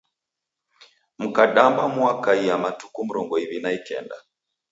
Mkadamba muakaia matuku mrongo iw'i na ikenda.